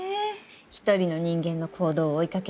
一人の人間の行動を追いかける。